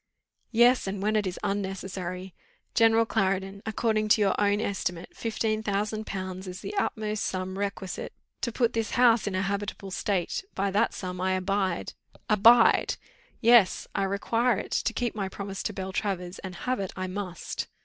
"Yes, and when it is unnecessary. General Clarendon, according to your own estimate, fifteen thousand pounds is the utmost sum requisite to put this house in a habitable state by that sum I abide!" "Abide!" "Yes, I require it, to keep my promise to Beltraver's, and have it I MUST."